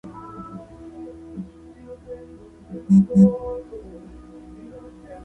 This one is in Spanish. Este Monumento Nacional fue visitado por Cristóbal Colón para cumplir el denominado voto colombino.